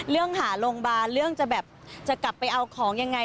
เรื่องหาโรงพยาบาลเรื่องจะแบบจะกลับไปเอาของยังไง